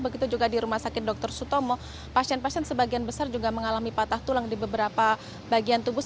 begitu juga di rumah sakit dr sutomo pasien pasien sebagian besar juga mengalami patah tulang di beberapa bagian tubuh